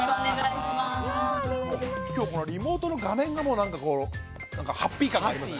今日ほらリモートの画面がもうなんかこうハッピー感がありますよね。